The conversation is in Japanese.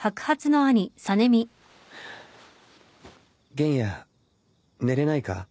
玄弥寝れないか。